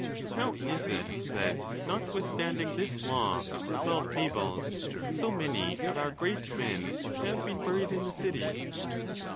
—How is it, that, notwithstanding this law of the Twelve Tables, so many of our great men have been buried | in the city